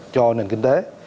cho nền kinh tế